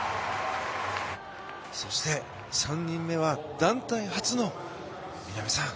そして３人目は団体初の南さん。